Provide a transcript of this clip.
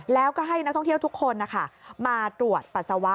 แล้วก็ให้นักท่องเที่ยวทุกคนมาตรวจปัสสาวะ